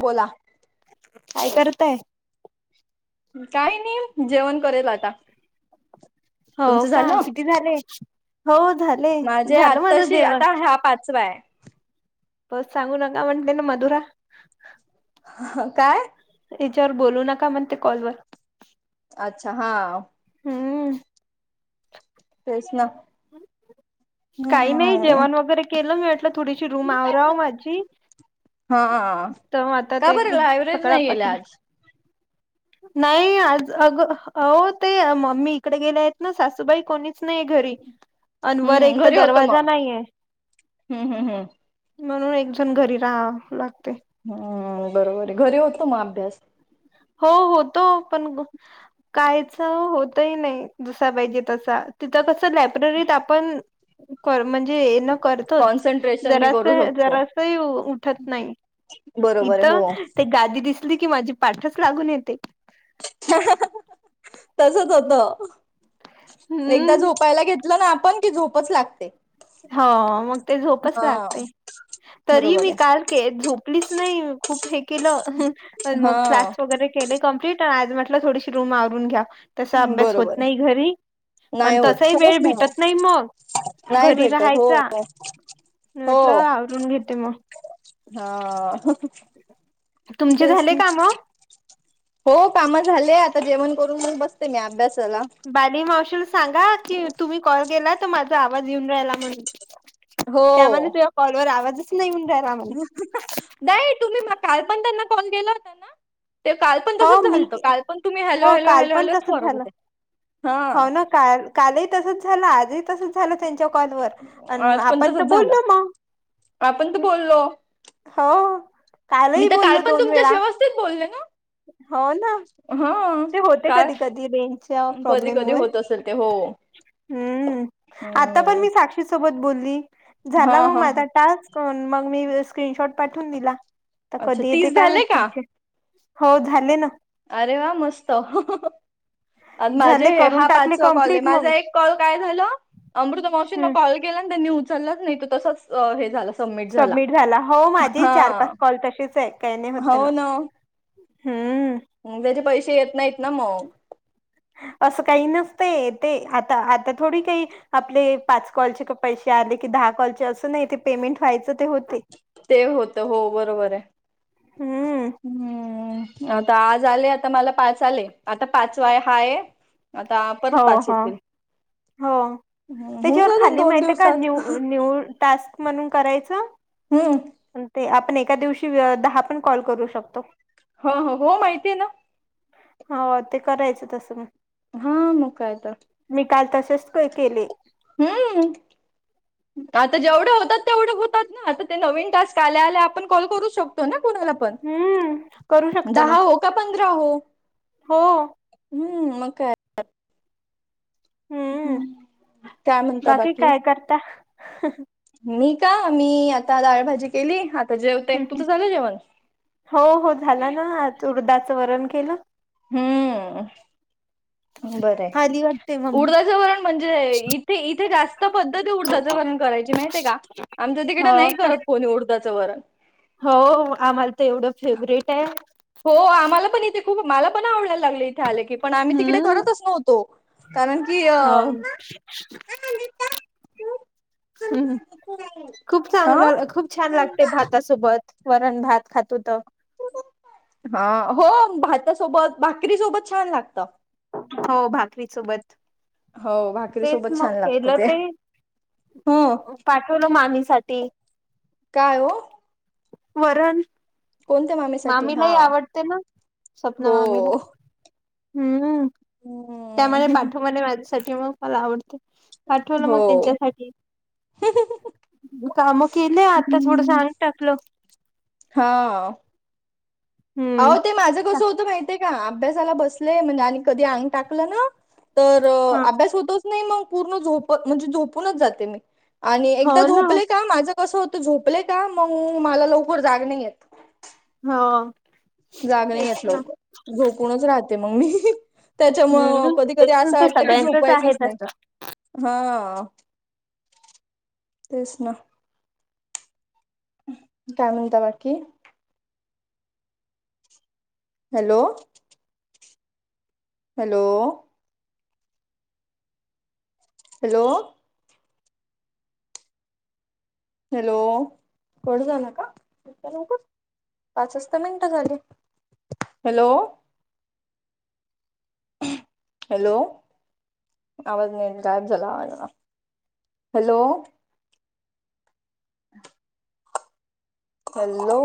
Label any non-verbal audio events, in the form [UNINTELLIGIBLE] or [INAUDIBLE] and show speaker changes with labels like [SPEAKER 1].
[SPEAKER 1] बोला
[SPEAKER 2] काय करतय
[SPEAKER 1] काय नाही जेवण करेल आता
[SPEAKER 2] हो
[SPEAKER 1] तुमचं
[SPEAKER 2] का
[SPEAKER 1] झालं
[SPEAKER 2] किती झाले हो झाले
[SPEAKER 1] माझे
[SPEAKER 2] झालं माझं
[SPEAKER 1] आताशी
[SPEAKER 2] जेवण
[SPEAKER 1] आता हा पाचवा आहे
[SPEAKER 2] बस सांगू नका म्हणते ना मधुरा
[SPEAKER 1] ह काय
[SPEAKER 2] याच्यावर बोलू नका म्हणते कॉलवरर
[SPEAKER 1] अच्छा हा
[SPEAKER 2] हम्म
[SPEAKER 1] तेच ना
[SPEAKER 2] काही नाही
[SPEAKER 1] हम्म
[SPEAKER 2] जेवण वगैरे केलं मी वाटलं थोडीशी रूम आवराव माझी
[SPEAKER 1] हा
[SPEAKER 2] तर आता तर
[SPEAKER 1] का बरं
[SPEAKER 2] एकदम
[SPEAKER 1] लायब्ररी
[SPEAKER 2] सकळाा
[SPEAKER 1] नाही गेल्या
[SPEAKER 2] पसरा
[SPEAKER 1] आज
[SPEAKER 2] नाही आज अग हो ते मम् ममी इकडे गेले आहेत ना सासूबाई कोणीच नाही घरी
[SPEAKER 1] ह
[SPEAKER 2] अन व एक तर दरवाजा नाहीये
[SPEAKER 1] हम्म हम्म हम्म
[SPEAKER 2] म्हणून एकजण घरी राहा लागते
[SPEAKER 1] हम्म बरोबर आहे घरी होतलो मग अभ्यास
[SPEAKER 2] हो होतो पण कायच होतही नाही दुस पाहिजे त तिथं कस लायब्ररीत आपण कर म्हणजे हे न करतोच
[SPEAKER 1] कॉन्सन्ट्रेशननी
[SPEAKER 2] जस
[SPEAKER 1] करू शकतो
[SPEAKER 2] जरा उठत नाही
[SPEAKER 1] बरोबर
[SPEAKER 2] इथ
[SPEAKER 1] आहे हो
[SPEAKER 2] ते गादी दि की माझी पाठच लागून येते
[SPEAKER 1] तसच होत एकदा
[SPEAKER 2] हम्म
[SPEAKER 1] झोप पहिला घेतलं ना आपण की झोपच लागते
[SPEAKER 2] हो मग ते झोपच
[SPEAKER 1] हा
[SPEAKER 2] लागते तरी
[SPEAKER 1] बरोबर
[SPEAKER 2] मी
[SPEAKER 1] आहे
[SPEAKER 2] कार के झोपलीच नाही खूप हे केलं पण मग
[SPEAKER 1] हा
[SPEAKER 2] क्लास वगैरे केले कं्प्लीट आणि आज म्हटलं थोडीशी रूम आवरून घ्या तसा अभ्यास होत
[SPEAKER 1] बरोबर
[SPEAKER 2] नाही घरी
[SPEAKER 1] नाही
[SPEAKER 2] पण
[SPEAKER 1] होत
[SPEAKER 2] तसाही
[SPEAKER 1] खरंच
[SPEAKER 2] वेळ भेटत
[SPEAKER 1] होत
[SPEAKER 2] नाही मग
[SPEAKER 1] नाही
[SPEAKER 2] घरी
[SPEAKER 1] भेटत
[SPEAKER 2] राहायचा
[SPEAKER 1] हो
[SPEAKER 2] म
[SPEAKER 1] हो
[SPEAKER 2] म्हटलं आवरून घेते मग
[SPEAKER 1] हा
[SPEAKER 2] तुमचे
[SPEAKER 1] प्रस
[SPEAKER 2] झाले
[SPEAKER 1] म
[SPEAKER 2] काम?
[SPEAKER 1] हो काम झालेय आता जेवण करून मग बसते मी अभ्यासाला
[SPEAKER 2] बाली मावशला सांगा की तुम्ही कॉल केला तर माझा आवाज येेऊन राहिला म्हण
[SPEAKER 1] हो
[SPEAKER 2] त्यामध्ये तुझ्या कॉलवर आवाजच नाही म्हन रायला म
[SPEAKER 1] नाहीई तुम्ही काल पण त्यांना कॉल केला होता ना ते काल पण
[SPEAKER 2] हो
[SPEAKER 1] तसच
[SPEAKER 2] मी
[SPEAKER 1] झालतं काल पण तुम्ही हलो
[SPEAKER 2] हो
[SPEAKER 1] हॅलो
[SPEAKER 2] काल
[SPEAKER 1] हॅलो
[SPEAKER 2] पण
[SPEAKER 1] हॅलोच
[SPEAKER 2] तसच
[SPEAKER 1] परत
[SPEAKER 2] झालं.
[SPEAKER 1] होते हा
[SPEAKER 2] हो ना काल कालही तसच झालं आजही तसच झा झा त्यांच्या कॉल व
[SPEAKER 1] आज पण
[SPEAKER 2] आपण
[SPEAKER 1] तसच झालं
[SPEAKER 2] बोललो मग
[SPEAKER 1] आपण तर बोललो
[SPEAKER 2] हो कालही बोललो दोन वेळा.
[SPEAKER 1] ते बोलले ना.
[SPEAKER 2] हो ना
[SPEAKER 1] हा
[SPEAKER 2] ते होते
[SPEAKER 1] काय
[SPEAKER 2] कधी कधी रेंजच्या
[SPEAKER 1] कधी
[SPEAKER 2] प्रॉब्लेम
[SPEAKER 1] कधी
[SPEAKER 2] मुळे
[SPEAKER 1] होत असेल ते हो
[SPEAKER 2] हम्म आता पण
[SPEAKER 1] हम्म
[SPEAKER 2] मी साक्षी सोबत बोलली
[SPEAKER 1] हा
[SPEAKER 2] झाला मग
[SPEAKER 1] हा
[SPEAKER 2] माझा टास्क मग मी स्क्रीनशॉट पाठवून दिला तर
[SPEAKER 1] अच्छा
[SPEAKER 2] कधी येते
[SPEAKER 1] तीस
[SPEAKER 2] काय मी
[SPEAKER 1] झाले का
[SPEAKER 2] पुढचे हो झाले ना.
[SPEAKER 1] अरे वा मस्त. माझे
[SPEAKER 2] झाले करून
[SPEAKER 1] हा
[SPEAKER 2] टाकले
[SPEAKER 1] पाचवा कॉल आहे
[SPEAKER 2] कम्प्लीट
[SPEAKER 1] माझा
[SPEAKER 2] मग
[SPEAKER 1] एक कॉल काय झाल अमृता मावशींना
[SPEAKER 2] हम्म
[SPEAKER 1] कॉल केला आणि त्यांनी उचललंच नाही तो तसच हे झालं.
[SPEAKER 2] सबमिट झाला हो माझे चार पाच कॉल तशीच आहे काही नाही होत ना. हम्म.
[SPEAKER 1] मग जरी पैसे येत नाहीत ना मग.
[SPEAKER 2] असं काही नसत ते आता आता थोडी काही आपले पाच कॉलचे पैसे आले की दहा कॉलचे असं नाही ते पेमेंट व्हायचं ते होते.
[SPEAKER 1] ते होत हो बरोबर आहे.
[SPEAKER 2] हम्म
[SPEAKER 1] हम्म आता आज आले आता मला पाच आले आता पाचवाय हा आहे. आता परत
[SPEAKER 2] हो
[SPEAKER 1] पाच
[SPEAKER 2] हो
[SPEAKER 1] येतील.
[SPEAKER 2] हो
[SPEAKER 1] हम्म, होऊन
[SPEAKER 2] त्याच्यावर
[SPEAKER 1] जातात
[SPEAKER 2] खाली
[SPEAKER 1] दोन
[SPEAKER 2] माहिती का
[SPEAKER 1] दिवसात
[SPEAKER 2] न्यू न्यू टास्क म्हणून करायचं.
[SPEAKER 1] हम्म.
[SPEAKER 2] ते आपण एका दिवशी दहा पण कॉल करू शकतो.
[SPEAKER 1] हो हो हो माहितीय आहे ना.
[SPEAKER 2] हो ते करायचं तसं मग.
[SPEAKER 1] हम्म मुका येता.
[SPEAKER 2] मी काल तसेच पई केले.
[SPEAKER 1] हम्म. आता जेवढे होतात तेवढे होतात ना आता ते नवीन टास्क आल्या आल्या आपण कॉल करू शक तो ना कोणाला पण
[SPEAKER 2] हम्म करू शकतो
[SPEAKER 1] दहा
[SPEAKER 2] ना
[SPEAKER 1] हो का पंधरा हो.
[SPEAKER 2] हो
[SPEAKER 1] हम्म म काय.
[SPEAKER 2] हम्म
[SPEAKER 1] काय म्हणता
[SPEAKER 2] बाकी काय करता.
[SPEAKER 1] मी का मी आता दाळभजी केली आता जेवते
[SPEAKER 2] हम्म.
[SPEAKER 1] तूझं झालं जेवण.
[SPEAKER 2] हो हो झाला ना आ उळदाचं वरण केलं.
[SPEAKER 1] हम्म. बरं ये.
[SPEAKER 2] आली वाटते मम्मी
[SPEAKER 1] उडदाच वरण म्हणजे इथे इथे जास्त पद्धती उडदाच वरण करायची माहितीये का आमच्या तिकडं
[SPEAKER 2] हो
[SPEAKER 1] नाही
[SPEAKER 2] का
[SPEAKER 1] करत कोणी उडदाचं वरण.
[SPEAKER 2] हो आम्हाला तर एवढं फेवरेट आहे.
[SPEAKER 1] हो आम्हाला पण इथे खूप मला पण आवडाला लागलं इथे आले की पण आम्ही तिकडे
[SPEAKER 2] हम्म
[SPEAKER 1] करतच नव्हतो कारण की अ
[SPEAKER 2] हो
[SPEAKER 1] [UNINTELLIGIBLE]
[SPEAKER 2] हम्म हम्म खूप
[SPEAKER 1] अ
[SPEAKER 2] चांग खूप छान लागते भात. त्या सोबत वरण भात खातोत.
[SPEAKER 1] हा हो भातासोबत भाकरी सोबत छान लागतं.
[SPEAKER 2] हो भाकरी सोबत
[SPEAKER 1] हो भाकरी
[SPEAKER 2] तेच
[SPEAKER 1] सोबत
[SPEAKER 2] मग
[SPEAKER 1] छान लागतं
[SPEAKER 2] केलं ते.
[SPEAKER 1] हो
[SPEAKER 2] पाठवलं मामीसाठी
[SPEAKER 1] काय वो.
[SPEAKER 2] वरण
[SPEAKER 1] कोणत्या मामीसाठी
[SPEAKER 2] मामीला
[SPEAKER 1] हा
[SPEAKER 2] ही आवडते ना स्वप्न
[SPEAKER 1] हो
[SPEAKER 2] मामीला हम्म.
[SPEAKER 1] हो.
[SPEAKER 2] त्यामुळे पाठवणे माझ्यासाठी मग मला आवडते पाठवलं मग
[SPEAKER 1] हो
[SPEAKER 2] त्यांच्यासाठी काम केलं आता थोडस आंग टाकल.
[SPEAKER 1] हा
[SPEAKER 2] हम्म
[SPEAKER 1] अह ते माझं कसं होतं माहितीय का अभ्यासाला बसलेय म्हणजे आणि कधी अंग टाकलं ना तर
[SPEAKER 2] हा
[SPEAKER 1] अभ्यास होतोच नाही मग पूर्ण झोप म्हणजे झोपूनच जाते मी आणि
[SPEAKER 2] हो
[SPEAKER 1] एकदा
[SPEAKER 2] ना
[SPEAKER 1] झोपले का माझं कसं होतं झोपले का मग मला लवकर जाग नाही येत
[SPEAKER 2] होा
[SPEAKER 1] जाग नाही असलं झोपूनच राहते मग मी त्याच्यामुळं
[SPEAKER 2] हम्म
[SPEAKER 1] कधी
[SPEAKER 2] ते
[SPEAKER 1] कधी असं वाटत की
[SPEAKER 2] सगळ्यांचच आहे
[SPEAKER 1] झोपायचंच नाही
[SPEAKER 2] तसं
[SPEAKER 1] हा तेच ना काय म्हणत बाकी hello hello hello hello cut झाला का इतक्या लवकर पाचच तर मिनिटं झाली हॅलो हॅलो आवाज नाही ्राव चलावा हॅलो ह हॅलो